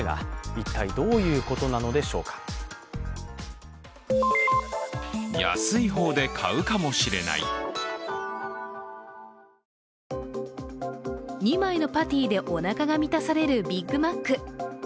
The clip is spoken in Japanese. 一体、どういうことなのでしょうか２枚のパティでおなかが満たされるビッグマック。